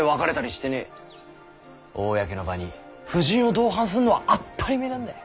公の場に夫人を同伴すんのは当ったりめえなんだい。